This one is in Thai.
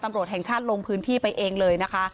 ตำรวจแห่งชาติลงพื้นที่ไปเองเลยนะคะ